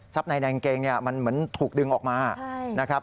ทรัพย์ในกางเกงมันเหมือนถูกดึงออกมานะครับ